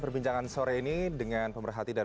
perbincangan sore ini dengan pemerhati dan